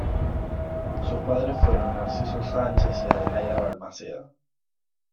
Sus padres fueron Nazario Sánchez y Adelaida Balmaceda.